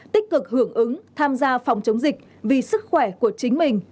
tích cực hưởng ứng tham gia phòng chống dịch vì sức khỏe của chính mình